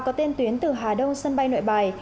có tên tuyến từ hà đông sân bay nội bài